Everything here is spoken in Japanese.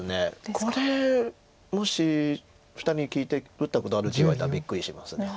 これもし２人に聞いて打ったことあるって言われたらびっくりします。